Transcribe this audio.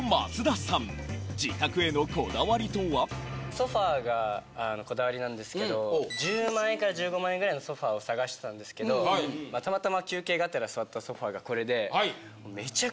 ソファがこだわりなんですけど１０万円から１５万円ぐらいのソファを探してたんですけどたまたま休憩がてら座ったソファがこれで。